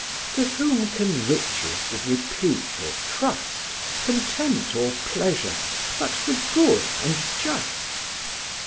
To whom can riches give repute or trust, Content, or pleasure, but the good and just?